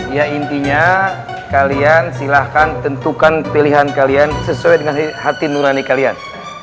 ya intinya kalian silahkan tentukan pilihan kalian sesuai dengan hati nurani kalian